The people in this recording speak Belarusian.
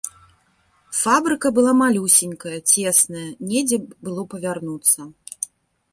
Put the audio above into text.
Фабрыка была малюсенькая, цесная, недзе было павярнуцца.